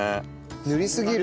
塗りすぎると。